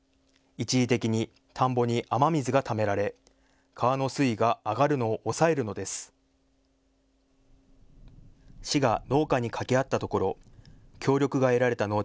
一時的に田んぼに雨水がためられ川の水位が上がるのを抑えるのです。